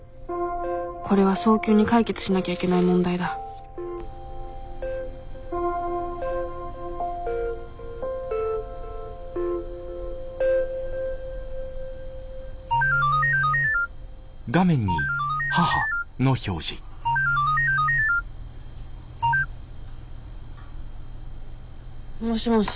これは早急に解決しなきゃいけない問題だもしもし。